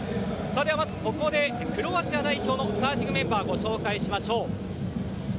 まずここでクロアチア代表のスターティングメンバーをご紹介しましょう。